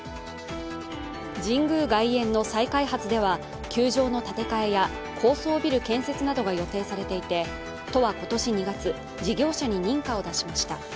神宮外苑の再開発では球場の建て替えや高層ビル建設などが予定されていて都は今年２月、事業者に認可を出しました。